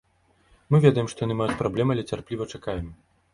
Мы ведаем, што яны маюць праблемы, але цярпліва чакаем.